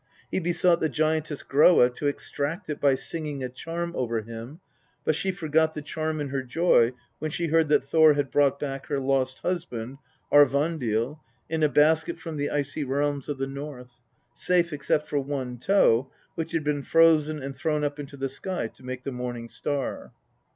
He besought the giantess Groa to extract it by singing a charm over him, but she forgot the charm in her joy when she heard that Thor had brought back her lost husband, Aurvandil, in a basket from the icy realms of the North safe except for one toe, which had been frozen and thrown up into the sky to make the morning star.